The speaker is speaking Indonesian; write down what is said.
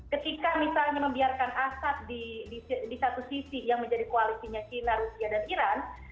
ketika misalnya membiarkan asap di satu sisi yang menjadi koalisinya china rusia dan iran